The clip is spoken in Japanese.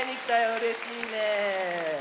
うれしいねえ。